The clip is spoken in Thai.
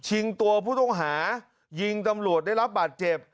ตัวผู้ต้องหายิงตำรวจได้รับบาดเจ็บ